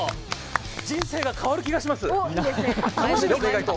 人生が変わる気がします。